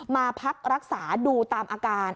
มาพักรักษาดูตามอาการ